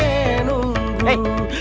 bocah ngapai ya